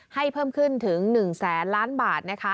ให้เพิ่มขึ้นถึง๑๐๐๐๐๐ล้านบาท